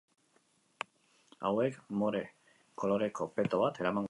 Hauek more koloreko peto bat eramango dute.